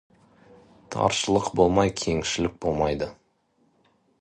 Таршылық болмай, кеңшілік болмайды.